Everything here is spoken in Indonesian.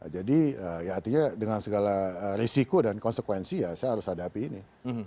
jadi ya artinya dengan segala risiko dan konsekuensi ya saya harus hadapi ini